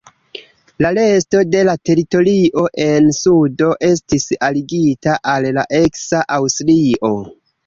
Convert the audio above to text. La resto de la teritorio en sudo estis aligita al la eksa Aŭstrio.